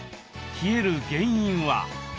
冷える原因は。